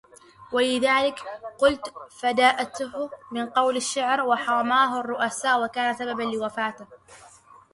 ولذلك قلّت فائدته من قول الشعر وتحاماه الرؤساء وكان سبباً لوفاته.